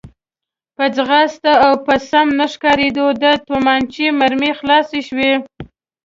په ځغاسته و او سم نه ښکارېده، د تومانچې مرمۍ خلاصې شوې.